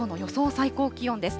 最高気温です。